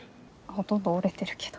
ほとんど折れてるけど。